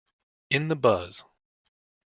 In the Buzz!